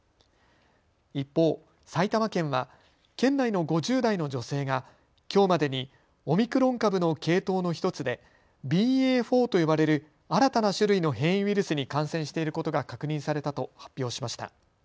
一方、埼玉県は県内の５０代の女性がきょうまでにオミクロン株の系統の１つでＢＡ．４と呼ばれる新たな種類の変異ウイルスに感染していることが確認されたと発表しました。